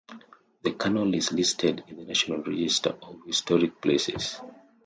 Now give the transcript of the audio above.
The canal is listed in the National Register of Historic Places.